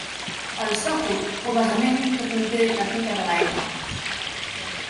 El sòcol o basament que conté la pica de l'aigua.